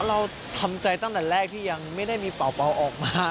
เราทำใจตั้งแต่แรกที่ยังไม่ได้มีเป่าออกมา